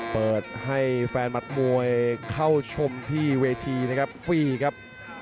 เปิดให้แฟนมัดมวยเข้าชมที่เวทีนะครับฟรีครับ